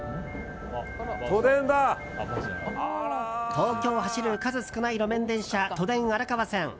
東京を走る数少ない路面電車都電荒川線。